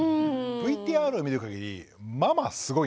ＶＴＲを見るかぎりママすごいね。